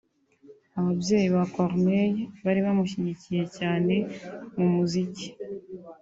Ababyeyi ba Corneille bari bamushyigikiye cyane mu muziki